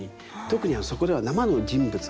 特にそこでは生の人物が。